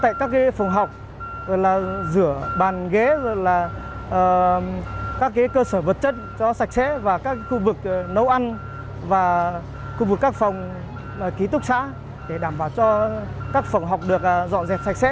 tại các phòng học rửa bàn ghế các cơ sở vật chất sạch sẽ các khu vực nấu ăn và các phòng ký túc xã để đảm bảo cho các phòng học được dọn dẹp sạch sẽ